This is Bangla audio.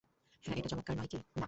হ্যাঁ, এটা চমৎকার নয় কী?